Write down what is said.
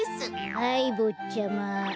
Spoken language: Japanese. はいぼっちゃま。